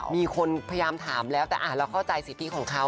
มีคนพยายามถามแล้วแต่เราเข้าใจสิทธิของเขา